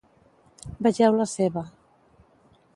Vegeu la seva.